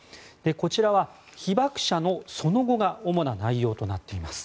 こちらは、被爆者のその後が主な内容となっています。